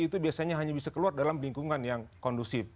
itu biasanya hanya bisa keluar dalam lingkungan yang kondusif